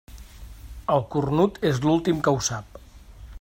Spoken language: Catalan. El cornut és l'últim que ho sap.